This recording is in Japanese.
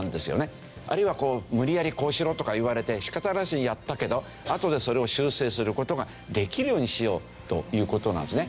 あるいはこう無理やりこうしろとか言われて仕方なしにやったけどあとでそれを修正する事ができるようにしようという事なんですね。